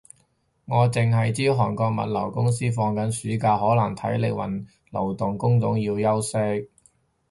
我剩係知韓國物流公司放緊暑假，可能體力勞動工種要休息